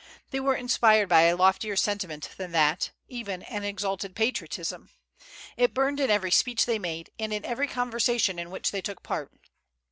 They were inspired by a loftier sentiment than that, even an exalted patriotism. It burned in every speech they made, and in every conversation in which they took part.